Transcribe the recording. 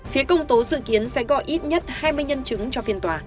phía công tố dự kiến sẽ có ít nhất hai mươi nhân chứng cho phiên tòa